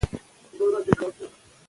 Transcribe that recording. تعلیم په کاري ژوند کې د پرمختګ لامل دی.